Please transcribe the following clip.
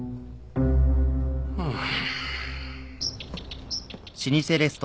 うん。